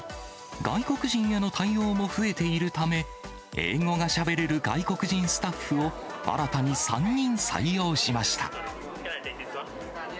外国人への対応も増えているため、英語がしゃべれる外国人スタッフを新たに３人採用しました。